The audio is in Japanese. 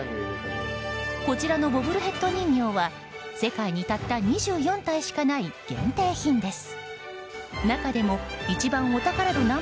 こちらのボブルヘッド人形は世界にたった２４体しかない限定品です。